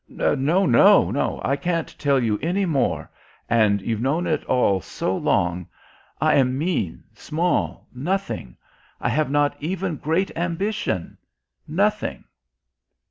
"No, no ... I can't tell you any more and you've known it all so long. I am mean, small, nothing I have not even great ambition ... nothing."